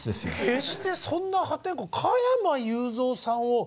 決してそんな破天荒加山雄三さんを。